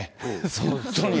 本当に。